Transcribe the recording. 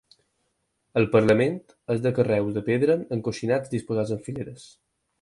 El parament és de carreus de pedra encoixinats disposats en fileres.